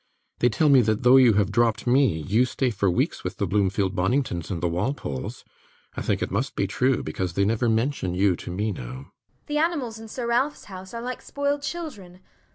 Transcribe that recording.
They tell me that though you have dropped me, you stay for weeks with the Bloomfield Boningtons and the Walpoles. I think it must be true, because they never mention you to me now. JENNIFER. The animals in Sir Ralph's house are like spoiled children.